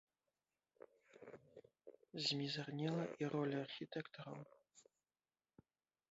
Змізарнела і роля архітэктараў.